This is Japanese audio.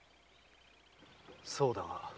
そうだが。